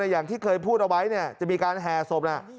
อย่างที่เคยพูดเอาไว้จะมีการแห่ศพ